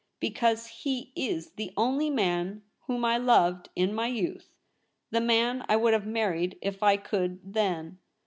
Because he is the only man whom I loved — in my youth ; the man I would have married if I could, then.